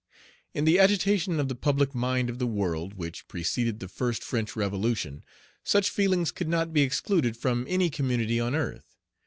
In the agitation of the public mind of the world, which preceded the first French Revolution, such feelings could not be excluded from any community on earth.